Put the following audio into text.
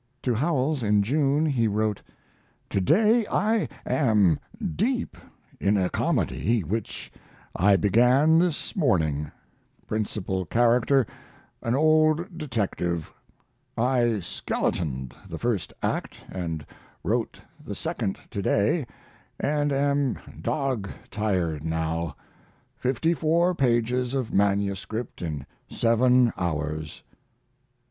To Howells, in June, he wrote: To day I am deep in a comedy which I began this morning principal character an old detective. I skeletoned the first act and wrote the second to day, and am dog tired now. Fifty four pages of MS. in seven hours.